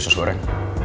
putri usus goreng